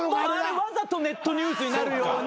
わざとネットニュースになるように。